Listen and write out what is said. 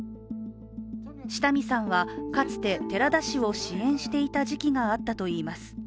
下見さんはかつて寺田氏を支援していた時期があったといいます。